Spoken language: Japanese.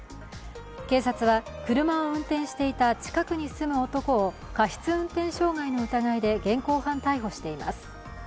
警察は車を運転していた近くに住む男を過失運転傷害の疑いで現行犯逮捕しています。